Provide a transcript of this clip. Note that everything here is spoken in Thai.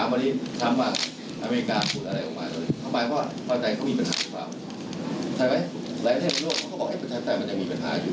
เพราะว่าอย่างนั้นนะดีที่สุด